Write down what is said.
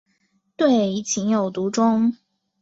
对情有独钟。